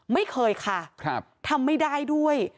ไม่เคยค่ะทำไม่ได้ด้วย